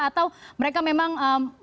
atau mereka memang